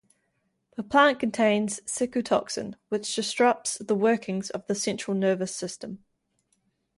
The plant contains cicutoxin, which disrupts the workings of the central nervous system.